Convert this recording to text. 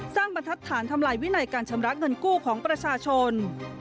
บรรทัศน์ทำลายวินัยการชำระเงินกู้ของประชาชน